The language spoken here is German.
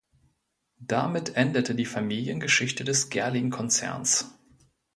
Damit endete die Familiengeschichte des Gerling-Konzerns.